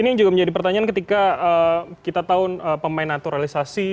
ini yang juga menjadi pertanyaan ketika kita tahu pemain naturalisasi